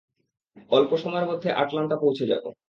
অল্প সময়ের মধ্যে আটলান্টা পৌঁছে যাবো।